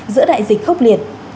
giữa đại dịch khốc liệt